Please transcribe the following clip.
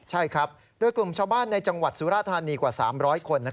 ใช่ครับโดยกลุ่มชาวบ้านในจังหวัดสุราธานีกว่า๓๐๐คน